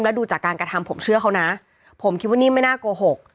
แล้วดูจากการกระทำผมเชื่อเขานะผมคิดว่านิ่มไม่น่าโกหก